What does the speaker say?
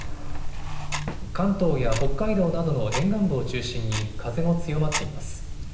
関東や北海道などの沿岸部を中心に風も強まっています。